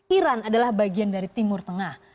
iran adalah bagian dari timur tengah